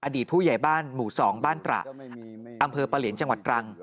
อดีตผู้ใหญ่บ้านหมู่๒บ้านตระอำเภอปะเหลียนจังหวัดตรัง